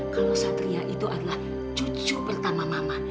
kalau satria itu adalah cucu pertama mama